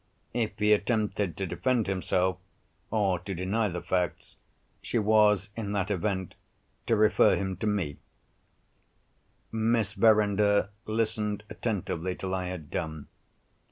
If he attempted to defend himself, or to deny the facts, she was, in that event, to refer him to me. Miss Verinder listened attentively till I had done.